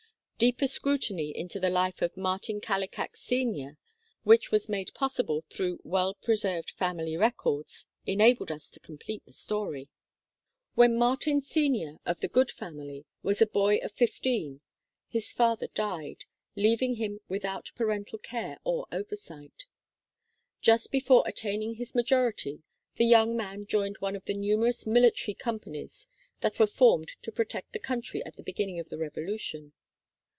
Deeper scrutiny into the life of Martin Kallikak Sr., which was made possible through well preserved family records, enabled us to complete the story. 1 All names, both Christian and sur names, are fictitious. c 1 8 THE KALLIKAK FAMILY When Martin Sr., of the good family, was a boy of fifteen, his father died, leaving him without parental care or oversight. Just before attaining his majority, the young man joined one of the numerous military companies that were formed to protect the country at the beginning of the Revolution.